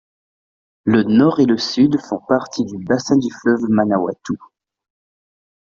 Le nord et le sud font partie du bassin du fleuve Manawatu.